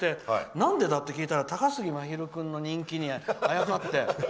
なんでだ？と聞いたら高杉真宙君の人気にあやかって。